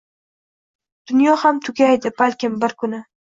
Dunyo ham tugaydi, balkim, bir kuni